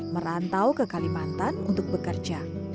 merantau ke kalimantan untuk bekerja